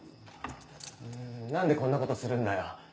何でこんなことするんだよ？